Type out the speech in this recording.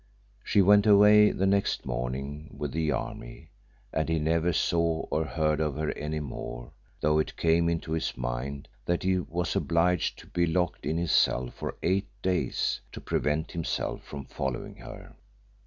She went away the next morning with the army, and he never saw or heard of her any more, though it came into his mind that he was obliged to be locked in his cell for eight days to prevent himself from following her.